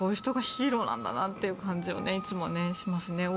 こういう人がヒーローなんだなという感じがしますよね。